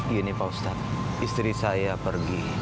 gini pak ustadz istri saya pergi